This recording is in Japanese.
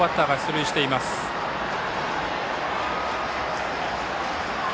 １回、２回と先頭バッターが出塁しています。